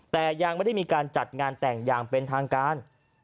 แต่ยังไม่ได้มีการจัดงานแต่งอย่างเป็นทางการ